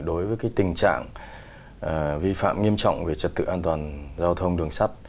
đối với tình trạng vi phạm nghiêm trọng về trật tự an toàn giao thông đường sắt